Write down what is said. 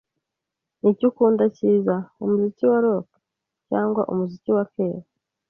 Niki ukunda cyiza, umuziki wa rock cyangwa umuziki wa kera?